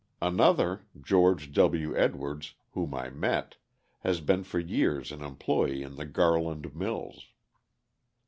Another, George W. Edwards, whom I met, has been for years an employee in the Garland Mills.